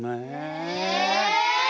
え！